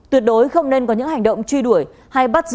tuyệt đối không nên có những hành động truy đuổi hay bắt giữ